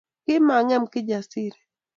Kimangem Kijasiri